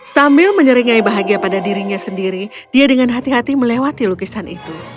sambil menyeringai bahagia pada dirinya sendiri dia dengan hati hati melewati lukisan itu